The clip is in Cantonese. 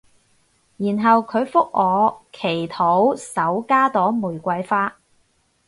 然後佢覆我祈禱手加朵玫瑰花